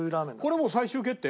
これもう最終決定？